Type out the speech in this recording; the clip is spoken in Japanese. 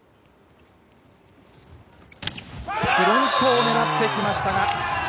フロントを狙ってきましたが。